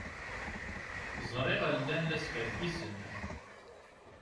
Ẓriɣ llan la skerkisen!